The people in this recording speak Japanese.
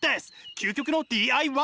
究極のＤＩＹ！